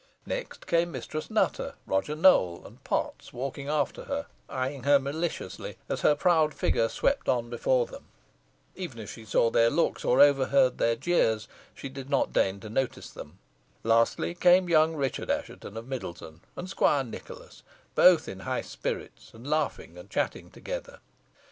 Next came Mistress Nutter, Roger Nowell and Potts walking after her, eyeing her maliciously, as her proud figure swept on before them. Even if she saw their looks or overheard their jeers, she did not deign to notice them. Lastly came young Richard Assheton, of Middleton, and Squire Nicholas, both in high spirits, and laughing and chatting together.